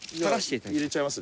入れちゃいますね。